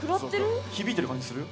響いてる感じする。